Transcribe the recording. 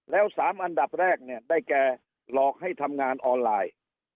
แล้ว๓อันดับแรกเนี่ยได้แก่หลอกให้ทำงานออนไลน์